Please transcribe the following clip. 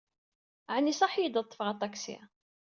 Ɛni iṣaḥ-iyi-d ad ḍḍfeɣ aṭaksi.